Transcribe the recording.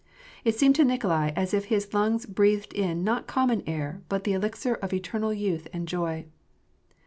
It seemed to Nikolai as if his lungs breathed in not common air but the elixir of eternal youth and joy.